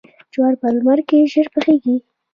جوار په لمر کې ژر پخیږي.